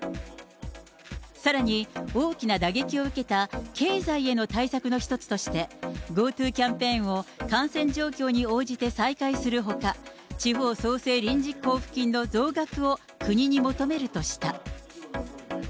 さらに、大きな打撃を受けた経済への対策の一つとして、ＧｏＴｏキャンペーンを感染状況に応じて再開するほか、地方創生臨時交付金の増額を国に求めるとした。